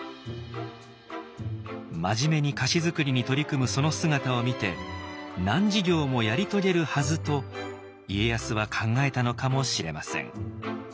真面目に菓子づくりに取り組むその姿を見て難事業もやり遂げるはずと家康は考えたのかもしれません。